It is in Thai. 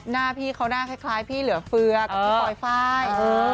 น่าพี่เขาน่าคล้ายพี่เหลือเฟือกพี่ปล่อยฟ้าย